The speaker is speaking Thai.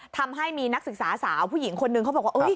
ทำให้มีนักศึกษาสาวผู้หญิงคนนึงเขาบอกว่า